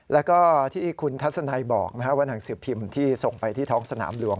แล้วก็ที่คุณทัศนัยบอกว่าหนังสือพิมพ์ที่ส่งไปที่ท้องสนามหลวง